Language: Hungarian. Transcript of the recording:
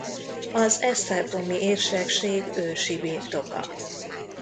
Az esztergomi érsekség ősi birtoka.